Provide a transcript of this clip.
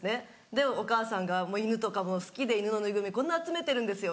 でお母さんが「犬とか好きで犬のぬいぐるみこんな集めてるんですよ」